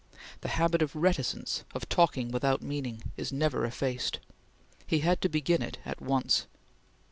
The habit of reticence of talking without meaning is never effaced. He had to begin it at once.